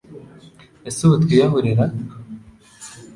Ese ubu twiyahure ra